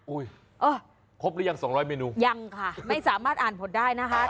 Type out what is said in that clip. ครบหรือยังสองร้อยเมนูยังค่ะไม่สามารถอ่านผลได้นะคะ